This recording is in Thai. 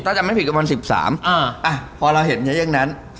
ถ้าจำไม่ผิดก็ประมาณ๑๓พอเราเห็นเงี้ยนั้น